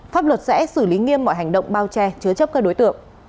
pháp luật sẽ xử lý nghiêm mọi hành động bao che chứa chấp các đối tượng